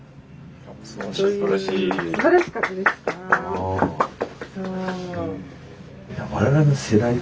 すばらしい。